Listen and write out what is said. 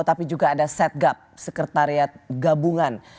tapi juga ada setgap sekretariat gabungan